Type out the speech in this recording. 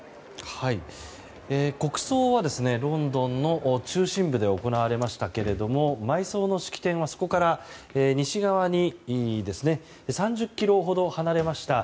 国葬は、ロンドンの中心部で行われましたが埋葬の式典は、そこから西側に３０ｋｍほど離れました